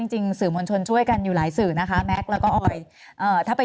จริงสื่อมวลชนช่วยกันอยู่หลายสื่อนะคะแม็กซ์แล้วก็ออยถ้าไป